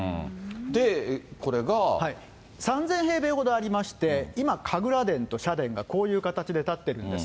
３０００平米ほどありまして、今、神楽殿と社殿がこういう形で建ってるんです。